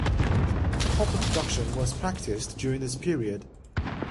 Copper production was practiced during this period.